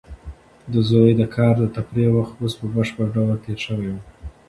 د زوی د کار د تفریح وخت اوس په بشپړ ډول تېر شوی و.